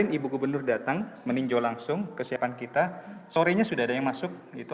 kemarin ibu gubernur datang meninjau langsung kesiapan kita sore nya sudah ada yang masuk itu